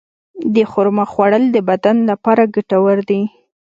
د خرما خوړل د بدن لپاره ګټور دي.